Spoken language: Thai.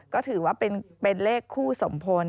ก็ถือว่าเป็นเลขคู่สมพล